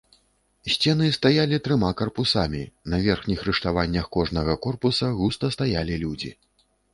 Сцены стаялі трыма карпусамі, на верхніх рыштаваннях кожнага корпуса густа стаялі людзі.